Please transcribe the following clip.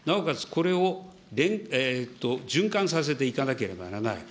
これを循環させていかなければならない。